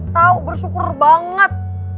tau bersyukur banget